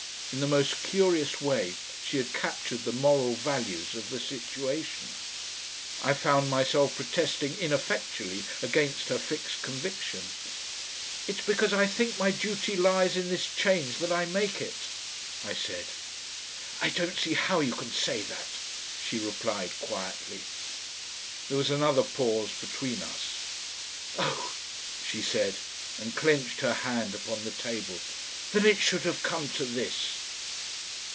In the most curious way she had captured the moral values of the situation. I found myself protesting ineffectually against her fixed conviction. "It's because I think my duty lies in this change that I make it," I said. "I don't see how you can say that," she replied quietly. There was another pause between us. "Oh!" she said and clenched her hand upon the table. "That it should have come to this!"